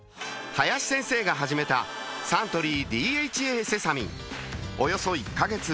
林先生が始めたサントリー「ＤＨＡセサミン」およそ１カ月分